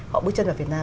họ bước chân vào việt nam